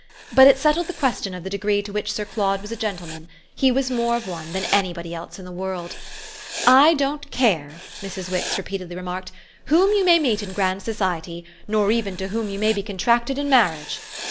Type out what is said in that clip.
But it settled the question of the degree to which Sir Claude was a gentleman: he was more of one than anybody else in the world "I don't care," Mrs. Wix repeatedly remarked, "whom you may meet in grand society, nor even to whom you may be contracted in marriage."